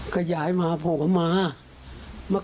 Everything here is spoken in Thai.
เขาอยู่ไม่ได้